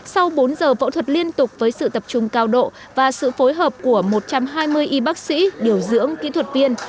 sau bốn giờ phẫu thuật liên tục với sự tập trung cao độ và sự phối hợp của một trăm hai mươi y bác sĩ điều dưỡng kỹ thuật viên